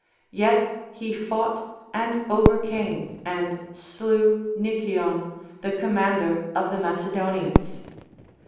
Yet he fought and overcame, and slew Nicion, the commander of the Macedonians.